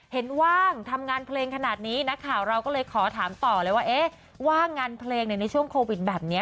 ว่างทำงานเพลงขนาดนี้นักข่าวเราก็เลยขอถามต่อเลยว่าว่างงานเพลงในช่วงโควิดแบบนี้